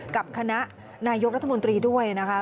กับคณะนายกรัฐมนตรีด้วยนะคะ